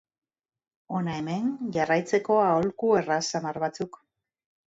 Hona hemen jarraitzeko aholku erraz samar batzuk.